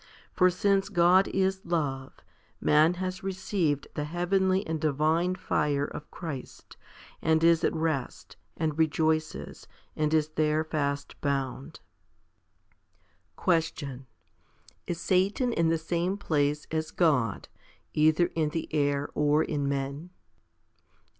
For since God is love, man has received the heavenly and divine fire of Christ, and is at rest, and rejoices, and is there fast bound. H 61 62 FIFTY SPIRITUAL HOMILIES 2. Question. Is Satan in the same place as God, either in the air, or in men